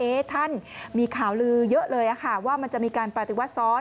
ท่านมีข่าวลือเยอะเลยค่ะว่ามันจะมีการปฏิวัติซ้อน